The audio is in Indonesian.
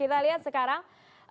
kita lihat sekarang